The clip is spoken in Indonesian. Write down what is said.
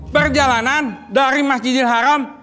perjalanan dari masjidil haram